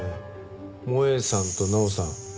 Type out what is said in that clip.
萌絵さんと奈央さん